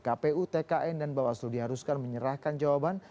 kpu tkn dan bapak seluruh diharuskan menyerahkan jawaban